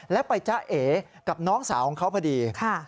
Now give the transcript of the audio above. แล้วไปจ้าเอกับน้องสาวของเขาพอดี